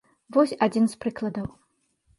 Вось адзін з прыкладаў.